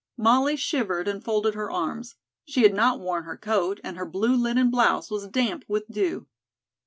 Molly shivered and folded her arms. She had not worn her coat and her blue linen blouse was damp with dew.